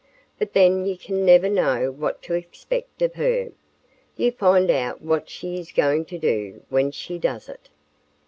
But then you can never know what to expect of her. You find out what she is going to do when she does it."